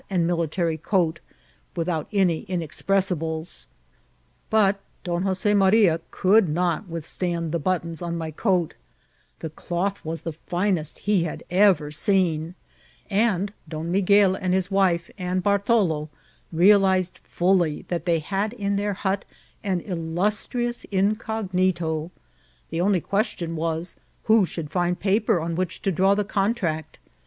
and military coat, without any inexjHressiUes ; bnt Don JoaeBiaria could not withstand the buttons on my coat; the doth waa the finest he had evor seen ; ahd Don Bfigoelt and hia wife, and Bartalo realiaed fully that they had in dieir hut an illuatrious incognito. The only question was who should find paper on which to draw the contract.